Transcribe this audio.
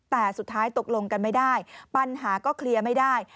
แต่สุดท้ายตกลงกันไม่ได้ปัญหาก็เคลียร์ไม่ได้